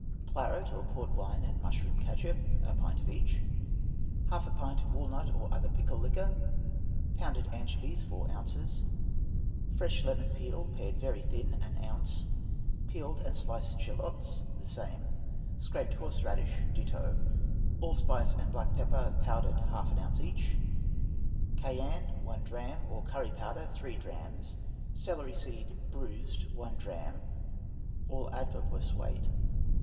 Claret or Port wine and mushroom ketchup, a pint of each; half a pint of walnut or other pickle liquor; pounded anchovies, four ounces; fresh lemon peel, pared very thin, an ounce; peeled and sliced eschalots, the same; scraped horseradish, ditto; allspice and black pepper, powdered, half an ounce each; cayenne, one drachm, or curry powder, three drachms; celery seed, bruised, one drachm; all avoirdupois weight.